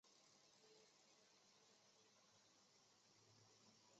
龙飙立即解救眼前这个叫田秋凤。